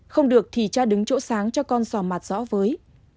không được thì cha đứng chỗ sáng cho con sò mặt rõ với